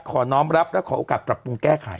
น้องรับและขอโอกาสปรับปรุงแก้ไข